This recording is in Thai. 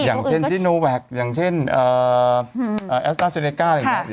อย่างเช่นซิโนแวคอย่างเช่นแอสต้าเซเนก้าอะไรอย่างนี้